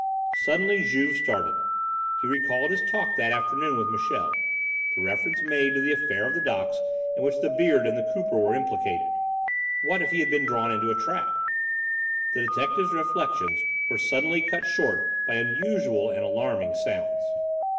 Suddenly, Juve started. He recalled his talk that afternoon with Michel; the reference made to the affair of the docks in which the Beard and the Cooper were implicated. What if he had been drawn into a trap! The detective's reflections were suddenly cut short by unusual and alarming sounds.